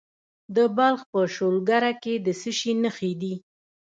د بلخ په شولګره کې د څه شي نښې دي؟